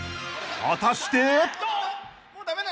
［果たして？］